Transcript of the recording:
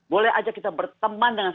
boleh aja kita berteman dengan